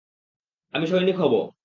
আমি সৈনিক হবো।